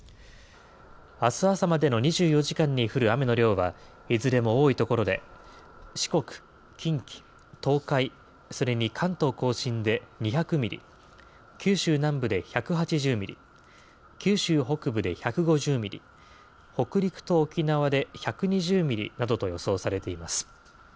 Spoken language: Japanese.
あす朝までの２４時間に降る雨の量は、いずれも多い所で、四国、近畿、東海、それに関東甲信で２００ミリ、九州南部で１８０ミリ、九州北部で１５０ミリ、北陸と沖縄で１２０ミリなどと予想されています。